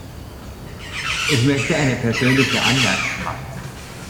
Ich möchte eine persönliche Anmerkung machen.